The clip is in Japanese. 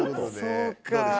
そうか。